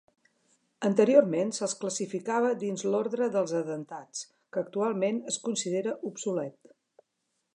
Anteriorment se'ls classificava dins l'ordre dels edentats, que actualment es considera obsolet.